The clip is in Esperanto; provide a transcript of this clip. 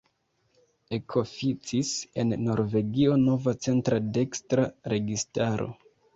Ekoficis en Norvegio nova centra-dekstra registaro.